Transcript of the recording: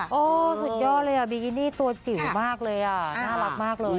โอ้โหสุดยอดเลยอ่ะบีกินี่ตัวจิ๋วมากเลยอ่ะน่ารักมากเลย